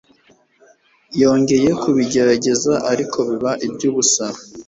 Yongeye kubigerageza ariko biba ibyubusa